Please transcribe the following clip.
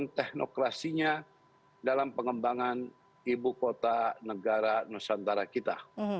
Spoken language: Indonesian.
dengan teknokrasinya dalam pengembangan ibu kota negara nusantara kita